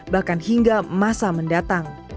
bahkan hingga masa mendatang